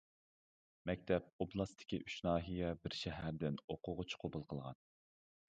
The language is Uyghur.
مەكتەپ ئوبلاستتىكى ئۈچ ناھىيە، بىر شەھەردىن ئوقۇغۇچى قوبۇل قىلغان.